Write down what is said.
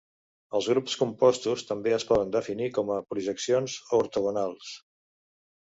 Els grups compostos també es poden definir com a projeccions ortogonals.